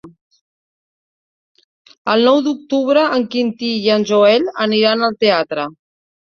El nou d'octubre en Quintí i en Joel aniran al teatre.